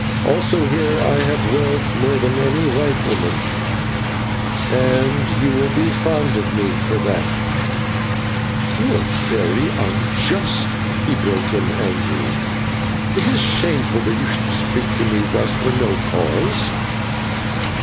Also here I have wealth more than any white woman, and you will be fond of me for that " "You are very unjust," he broke in, angrily; "it is shameful that you should speak to me thus for no cause."